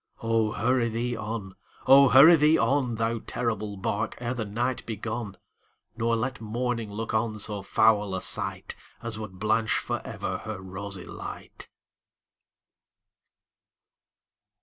Oh! hurry thee on,—oh! hurry thee on, Thou terrible bark, ere the night be gone, Nor let morning look on so foul a sightAs would blanch forever her rosy light!